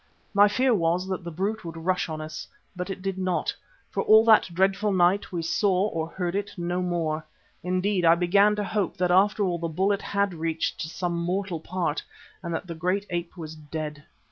My fear was that the brute would rush on us. But it did not. For all that dreadful night we saw or heard it no more. Indeed, I began to hope that after all the bullet had reached some mortal part and that the great ape was dead.